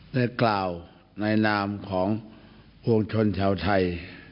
ได้กล่าวในนามของปวงชนชาวไทย